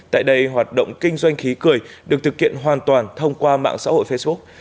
tại đây hoạt động kinh doanh khí cười được thực hiện hoàn toàn thông qua mạng xã hội facebook